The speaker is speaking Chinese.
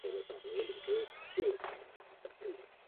陈丽云及前无线电视女艺员。